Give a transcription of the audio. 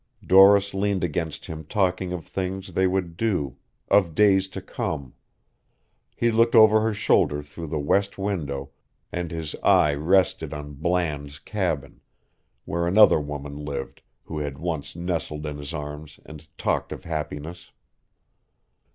Doris leaned against him talking of things they would do, of days to come. He looked over her shoulder through the west window and his eye rested on Bland's cabin, where another woman lived who had once nestled in his arms and talked of happiness.